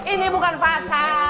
ini bukan fasa